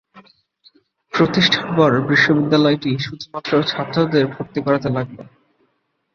প্রতিষ্ঠার পর বিশ্ববিদ্যালয়টি শুধুমাত্র ছাত্রদের ভর্তি করাতে লাগলো।